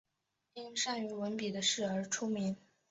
因善于文笔的事而出名。